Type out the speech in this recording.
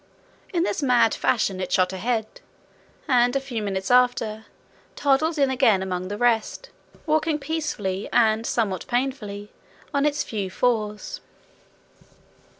In this mad fashion it shot ahead, and, a few minutes after, toddled in again among the rest, walking peacefully and somewhat painfully on its few fours.